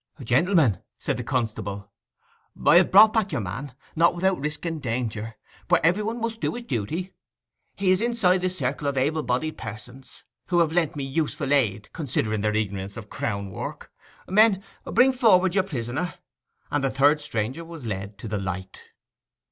'Gentlemen,' said the constable, 'I have brought back your man—not without risk and danger; but every one must do his duty! He is inside this circle of able bodied persons, who have lent me useful aid, considering their ignorance of Crown work. Men, bring forward your prisoner!' And the third stranger was led to the light.